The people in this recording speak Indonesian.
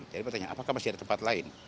jadi bertanya apakah masih ada tempat lain